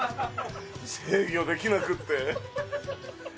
制御できなくって。